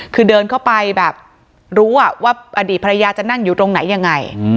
คือเดินเข้าไปแบบรู้ว่าอดีตภรรยาจะนั่งอยู่ตรงไหนยังไง